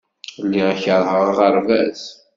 Lliɣ keṛheɣ aɣerbaz.